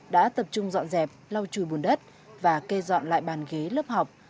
đã tập trung dọn dẹp lau chùi bùn đất và kê dọn lại bàn ghế lớp học